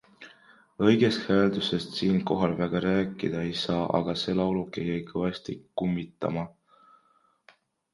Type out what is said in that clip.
Õigest hääldusest siinkohal väga rääkida ei saa ... aga see lauluke jäi kõvasti kummitama.